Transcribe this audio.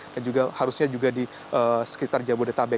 dan juga harusnya di sekitar jabodetabek